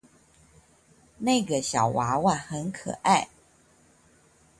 那個小娃娃很可愛